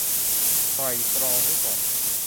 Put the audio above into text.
ไตร่ตรองไว้ก่อน